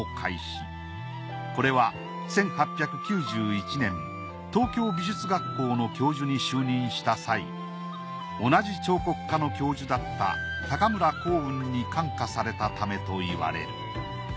これは１８９１年東京美術学校の教授に就任した際同じ彫刻科の教授だった村光雲に感化されたためといわれる。